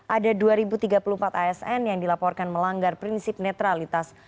ada dua tiga puluh empat asn yang dilaporkan melanggar prinsip netralitas